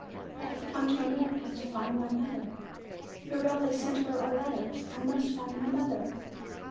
I have come to America to find my mother. Merelli sent her our letters. I must find my mother."